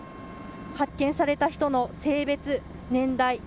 発見された人の性別年代